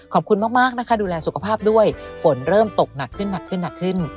ขอบคุณมากนะคะดูแลสุขภาพด้วยฝนเริ่มตกหนักขึ้น